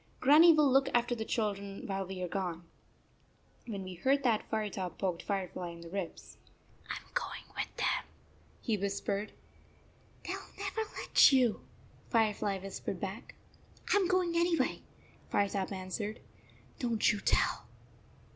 Grannie will look after the children while we are gone." 4 1 When he heard that, Firetop poked Fire fly in the ribs. " I am going with them," he whispered. " They 11 never let you," Firefly whis pered back. " I m going anyway," Firetop answered. "Don t you tell."